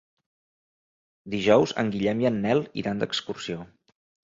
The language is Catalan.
Dijous en Guillem i en Nel iran d'excursió.